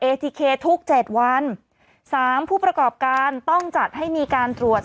เคทุกเจ็ดวันสามผู้ประกอบการต้องจัดให้มีการตรวจ